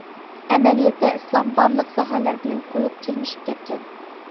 ئەمەلىيەتتە ئىسلام بارلىق ساھەلەر بىلەن قويۇق چىرمىشىپ كەتكەن.